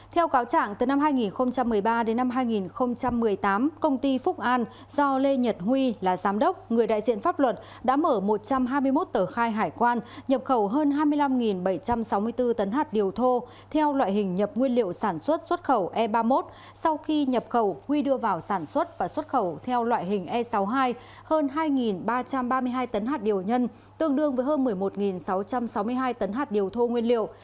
theo cáo trạng từ năm hai nghìn một mươi ba đến năm hai nghìn một mươi tám công ty phúc an do lê nhật huy là giám đốc người đại diện pháp luật đã mở một trăm hai mươi một tờ khai hải quan nhập khẩu hơn hai mươi năm bảy trăm sáu mươi bốn tấn hạt điều thô theo loại hình nhập nguyên liệu sản xuất xuất khẩu e ba mươi một sau khi nhập khẩu huy đưa vào sản xuất và xuất khẩu theo loại hình e sáu mươi hai hơn hai ba trăm ba mươi hai tấn hạt điều nhân tương đương với hơn một mươi một sáu trăm sáu mươi hai tấn hạt điều thô nguyên liệu